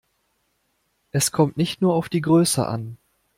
Es kommt nicht nur auf die Größe an.